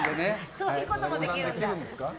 そういうこともできるんだ。